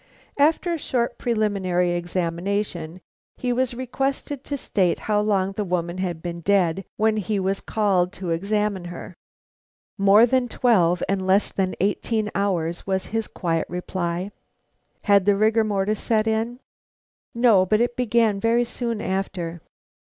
After a short preliminary examination, he was requested to state how long the woman had been dead when he was called in to examine her. "More than twelve and less than eighteen hours," was his quiet reply. "Had the rigor mortis set in?" "No; but it began very soon after."